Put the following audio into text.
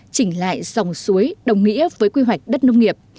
chỉnh lại dòng suối đồng nghĩa với quy hoạch đất nông nghiệp